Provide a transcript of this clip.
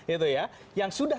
itu ya yang sudah